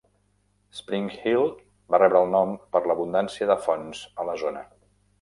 Spring Hill va rebre el nom per l'abundància de fonts a la zona.